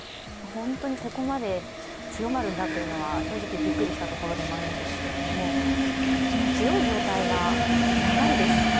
本当にここまで強まるんだというのは、正直ビックリしたところでもあるんですけど、その強い状態が長いです。